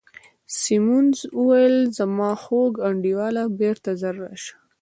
سیمونز وویل: زما خوږ انډیواله، بیرته ژر راشه.